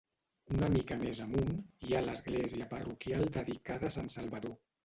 Una mica més amunt, hi ha l'església parroquial dedicada a sant Salvador.